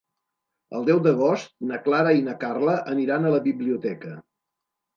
El deu d'agost na Clara i na Carla aniran a la biblioteca.